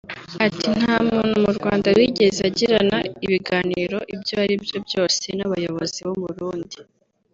Ati “Nta muntu mu Rwanda wigeze agirana ibiganiro ibyo ari byo byose n’abayobozi b’u Burundi